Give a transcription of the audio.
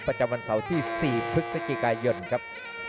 ประจำวันเสาร์ที่๔พฤศจิกายนครับ